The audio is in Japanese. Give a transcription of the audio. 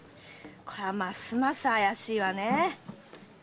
これはますます怪しいわねえ！